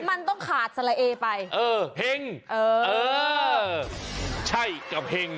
มันต้องขาดสละเอไปเออเห็งเออเออใช่กับเห็ง